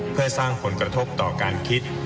เพื่อสร้างผลกระทบต่อการคิด